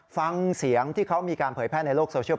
ฟังเสียงที่เขามีการเผยแพร่ในโลกโซเชียล